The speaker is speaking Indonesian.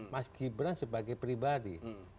mas gibran sebagai pribadi